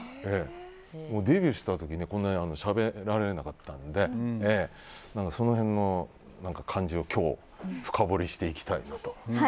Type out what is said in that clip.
デビューした時こんなにしゃべれなかったのでその辺の感じを今日、深掘りしていきたいなと。